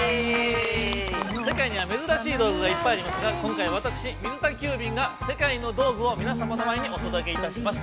世界にはめずらしい道具がいっぱいありますが今回わたくし水田急便が世界の道具をみなさまの前にお届けいたします！